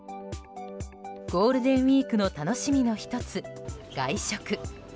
ゴールデンウィークの楽しみの１つ、外食。